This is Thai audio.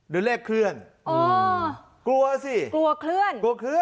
เดี๋ยวเลขเคลื่อนกลัวสิกลัวเคลื่อน